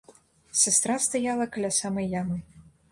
Сястра стаяла каля самай ямы.